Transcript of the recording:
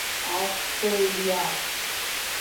Australia